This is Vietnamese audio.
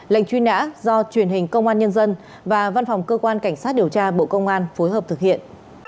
lệnh truy nã do truyền hình công an nhân dân và văn phòng cơ quan cảnh sát điều tra bộ công an phối hợp thực hiện